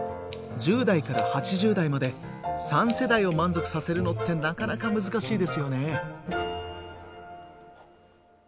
１０代から８０代まで３世代を満足させるのってなかなか難しいですよね。